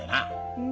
うん。